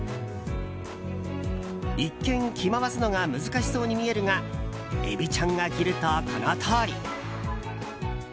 一見、着まわすのが難しそうに見えるがエビちゃんが着ると、このとおり。